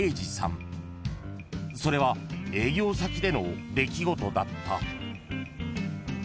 ［それは営業先での出来事だった］